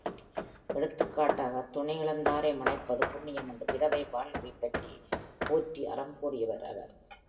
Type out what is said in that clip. எடுத்தக்காட்டாக, துணையிழந்தாரை மணப்பது புண்ணியம் என்று விதவை வாழ்வைப் போற்றி அறம் கூறியவர் அவர்.